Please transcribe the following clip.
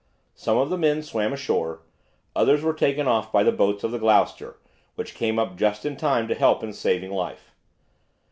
Some of the men swam ashore, others were taken off by the boats of the "Gloucester," which came up just in time to help in saving life.